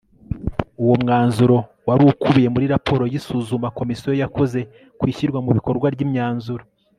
Uwo mwanzuro wari ukubiye muri raporo y isuzuma Komisiyo yakoze ku ishyirwa mu bikorwa ry imyanzuro